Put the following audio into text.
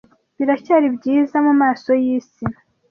biracyari byiza mumaso yisi